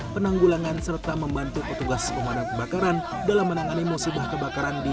penanggulangan serta membantu petugas pemadam kebakaran dalam menangani musibah kebakaran di